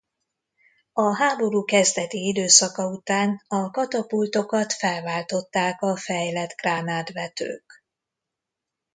A háború kezdeti időszaka után a katapultokat felváltották a fejlett gránátvetők.